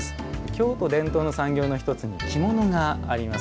京都伝統の産業の一つに着物があります。